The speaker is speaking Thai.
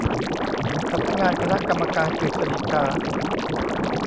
สำนักงานคณะกรรมการกฤษฎีกา